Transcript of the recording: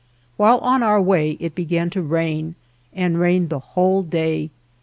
While on our way it began to rain and rained the whole day.